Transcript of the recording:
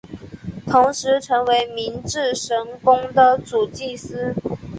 同时成为明治神宫的主祭司。